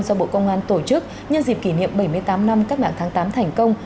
do bộ công an tổ chức nhân dịp kỷ niệm bảy mươi tám năm cách mạng tháng tám thành công